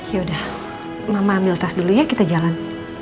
yaudah mama ambil tas dulu ya kita jalan